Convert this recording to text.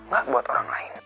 gak buat orang lain